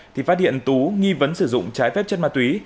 thì phát hiện tú nghi vấn sử dụng trái phép chất ma túy